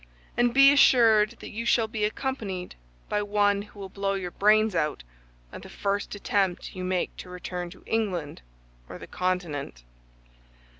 And be assured that you shall be accompanied by one who will blow your brains out at the first attempt you make to return to England or the Continent."